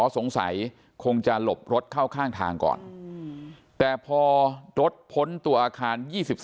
สงสัยคงจะหลบรถเข้าข้างทางก่อนแต่พอรถพ้นตัวอาคาร๒๓